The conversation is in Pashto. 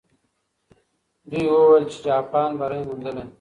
دوی وویل چې جاپان بری موندلی.